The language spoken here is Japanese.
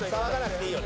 いいよね